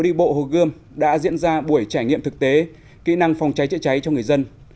đi bộ hồ gươm đã diễn ra buổi trải nghiệm thực tế kỹ năng phòng cháy chữa cháy cho người dân